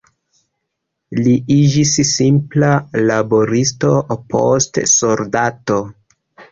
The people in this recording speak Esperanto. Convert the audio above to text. Li iĝis simpla laboristo, poste soldato.